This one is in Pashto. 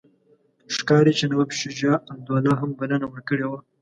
ښکاري چې نواب شجاع الدوله هم بلنه ورکړې وه.